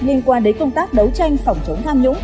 liên quan đến công tác đấu tranh phòng chống tham nhũng